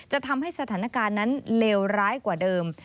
จะทำให้สถานการณ์นั้นเลวร้ายกว่าเดิม